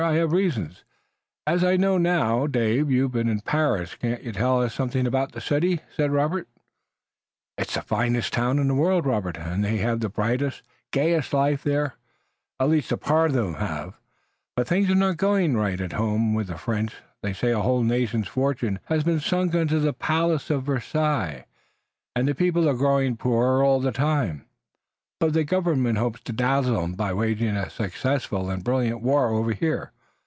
"I have reasons." "As I know now, Dave, you've been in Paris, can't you tell us something about the city?" "It's the finest town in the world, Robert, and they've the brightest, gayest life there, at least a part of 'em have, but things are not going right at home with the French. They say a whole nation's fortune has been sunk in the palace at Versailles, and the people are growing poorer all the time, but the government hopes to dazzle 'em by waging a successful and brilliant war over here.